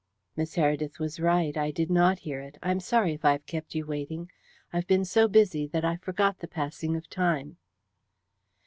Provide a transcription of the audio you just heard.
"Miss Heredith was right I did not hear it. I am sorry if I have kept you waiting. I have been so busy that I forgot the passing of time."